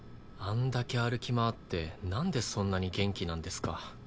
あんだけ歩き回ってなんでそんなに元気なんですか？